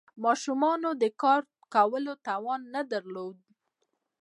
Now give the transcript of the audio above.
ماشومانو د کار کولو توان نه درلود.